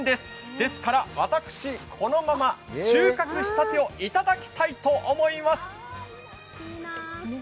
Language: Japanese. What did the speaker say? ですから私、このま収穫したてを頂きたいと思います。